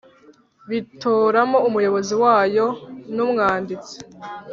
Bitoramo umuyobozi wayo n umwanditsi